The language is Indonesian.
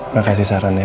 makasih saran ya ma